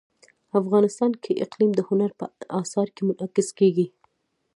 افغانستان کې اقلیم د هنر په اثار کې منعکس کېږي.